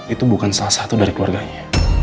itu bukan salah satu dari keluarganya